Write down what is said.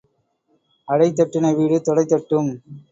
அடை தட்டின வீடு தொடை தட்டும்.